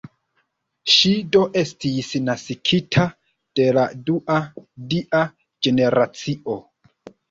Ŝi do estis naskita de la dua dia generacio.